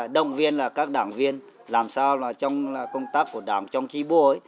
đồng viên các đảng viên làm sao trong công tác của đảng trong trí bộ